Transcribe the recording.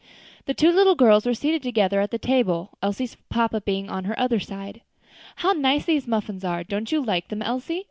The two little girls were seated together at the table, Elsie's papa being on her other side. "How nice these muffins are! Don't you like them, Elsie?"